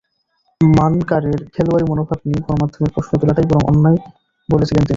মানকাড়ের খেলোয়াড়ি মনোভাব নিয়ে গণমাধ্যমের প্রশ্ন তোলাটাকেই বরং অন্যায় বলেছিলেন তিনি।